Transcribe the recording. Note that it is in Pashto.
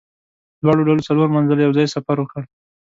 دواړو ډلو څلور منزله یو ځای سفر وکړ.